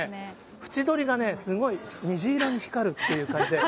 縁取りがすごい虹色に光るっていう感じで。